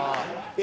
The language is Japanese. え？